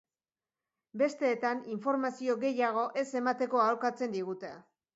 Besteetan, informazio gehiago ez emateko aholkatzen digute.